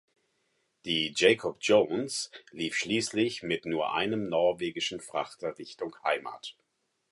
Die "Jacob Jones" lief schließlich mit nur einem norwegischen Frachter Richtung Heimat.